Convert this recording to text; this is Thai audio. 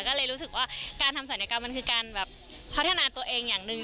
ก็เลยรู้สึกว่าการทำศัลยกรรมมันคือการแบบพัฒนาตัวเองอย่างหนึ่ง